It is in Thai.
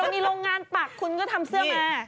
มีโรงงานปักคุณก็ทำเสื้อมา